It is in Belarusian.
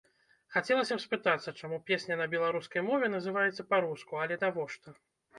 Хацелася б спытацца чаму песня на беларускай мове называецца па-руску, але навошта!